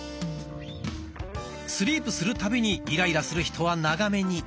スリープするたびにイライラする人は長めに。